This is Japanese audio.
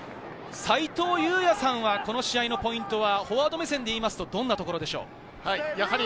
齊藤祐也さんはこの試合のポイントはフォワード目線でどんなところでしょう？